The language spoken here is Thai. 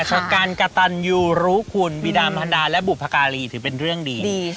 ชะกันกะตันยูรู้คุณวิดามฮันดาและบุพการีถือเป็นเรื่องดี